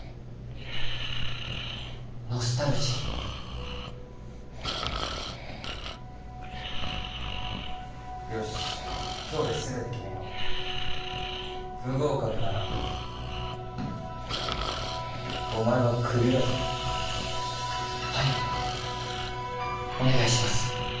ノスタルジーよし今日で全て決めよう不合格ならお前はクビだぞはいお願いします